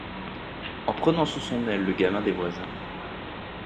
en prenant sous son aile le gamin des voisins